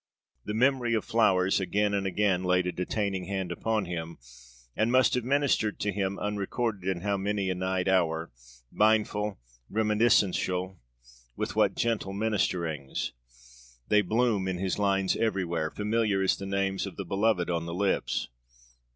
The memory of flowers again and again laid a detaining hand upon him, and must have ministered to him unrecorded in how many a night hour, mindful, reminiscential, with what gentle ministerings! They bloom in his lines everywhere, familiar as the name of the beloved on the lips.